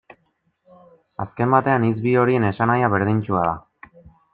Azken batean, hitz bi horien esanahia berdintsua da.